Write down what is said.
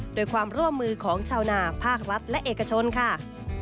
โดยความร่วมมือของชาวนาภาครัฐและเอกชนค่ะ